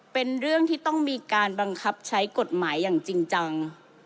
เป็นเรื่องที่ต้องมีการบังคับใช้กฎหมายอย่างจริงจัง